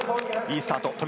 いいスタート